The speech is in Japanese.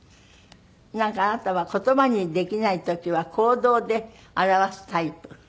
なんかあなたは言葉にできない時は行動で表すタイプ。